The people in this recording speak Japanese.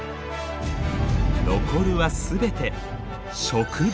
残るは全て植物！